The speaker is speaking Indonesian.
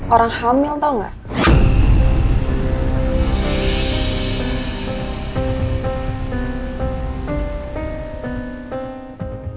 orang hamil tau gak